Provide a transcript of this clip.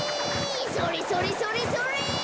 それそれそれそれ！